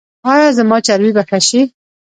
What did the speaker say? ایا زما چربي به ښه شي؟